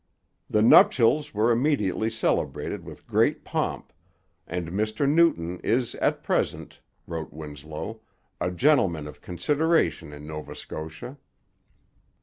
'The nuptials were immediately celebrated with great pomp, and Mr Newton is at present,' wrote Winslow, 'a gentleman of consideration in Nova Scotia.'